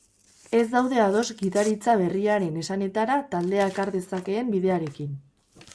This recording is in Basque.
Ez daude ados gidaritza berriaren esanetara taldeak har dezakeen bidearekin.